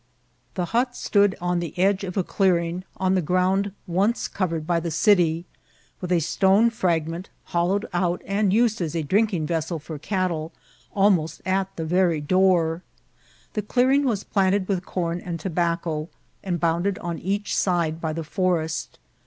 The hut stood on the edge of a clearing, on the groond once covered by the city, with a stone firag^ ment, hollowed out and used as a drinking vessel for cattle, almost at the very door. The clearing was planted with corn and tobacco, and bounded on each side by the forest.